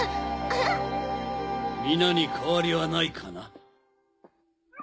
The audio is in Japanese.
皆に変わりはないかな？